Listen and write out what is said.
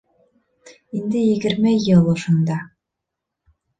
Инде егерме йыл ошонда..